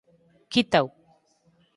Quítao!